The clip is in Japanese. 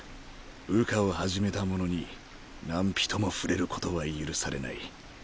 羽化を始めた者に何人も触れることは許されない。